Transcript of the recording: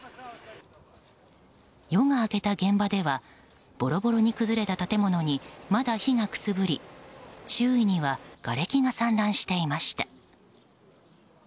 夜が明けた現場ではぼろぼろに崩れた建物にまだ火がくすぶり周囲にはがれきが散乱していました。